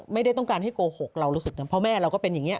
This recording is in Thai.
ไม่ได้ต้องการให้โกหกเรารู้สึกนะเพราะแม่เราก็เป็นอย่างนี้